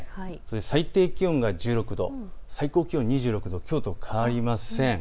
最低気温が１６度、最高気温が２６度、きょうと変わりません。